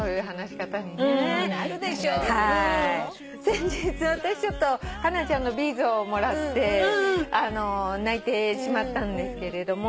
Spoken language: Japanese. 先日私ハナちゃんのビーズをもらって泣いてしまったんですけれども。